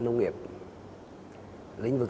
nông nghiệp lĩnh vực